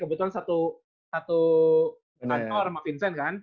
kebetulan satu kantor sama vincent kan